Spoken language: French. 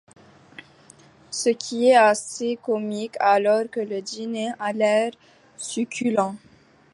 Ce qui est assez comique alors que le diner à l'air succulent.